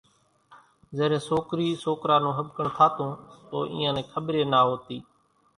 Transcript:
زيرين سوڪرِي سوڪرا نون ۿٻڪڻ ٿاتون تو اينيان نين کٻريئيَ نا هوتِي۔